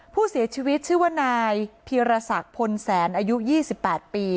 ผู้เสียชีวิตชื่อว่านายพีรศักดิ์พลแสนอายุ๒๘ปี